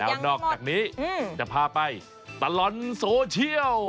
แล้วนอกจากนี้จะพาไปตลอดโซเชียล